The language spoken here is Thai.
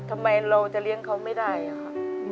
ทำไมเราจะเลี้ยงเขาไม่ได้อะค่ะ